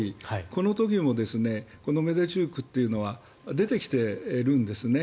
この時もこのメドベチュクというのは出てきてるんですね。